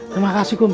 terima kasih kum